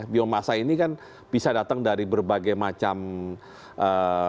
biomasa ini kan bisa datang dari berbagai macam ee